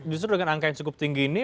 justru dengan angka yang cukup tinggi ini